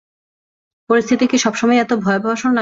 পরিস্থিতি কি সবসময়ই এত ভয়াবহ শোনায়?